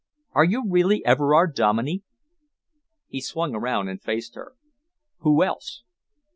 Are you really Everard Dominey?" He swung around and faced her. "Who else?"